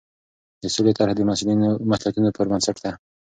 د سولې طرحه د مسوولیتونو پر بنسټ ده.